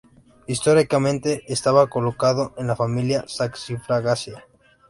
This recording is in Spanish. Históricamente, estaba colocado en la familia Saxifragaceae.